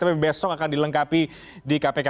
tapi besok akan dilengkapi di kpk